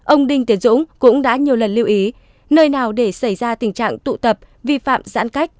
ông đinh tiến dũng cũng đã nhiều lần lưu ý nơi nào để xảy ra tình trạng tụ tập vi phạm giãn cách